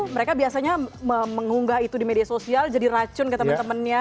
mereka biasanya mengunggah itu di media sosial jadi racun ke temen temennya